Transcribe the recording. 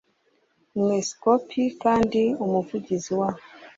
Umwepisikopi kandi Umuvugizi wa